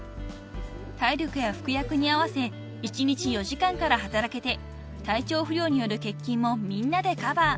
［体力や服薬に合わせ１日４時間から働けて体調不良による欠勤もみんなでカバー］